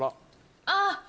ああ！